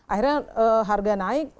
akhirnya harga naik